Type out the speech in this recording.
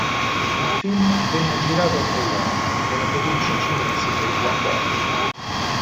Il film venne girato a Taiwan e nella provincia cinese del Guangdong.